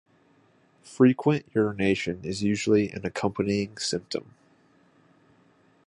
Frequent urination is usually an accompanying symptom.